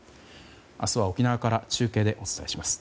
明日は沖縄から中継でお伝えします。